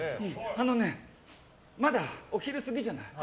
あのねまだお昼過ぎじゃない？